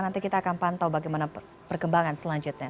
nanti kita akan pantau bagaimana perkembangan selanjutnya